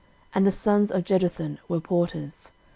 And the sons of Jeduthun were porters.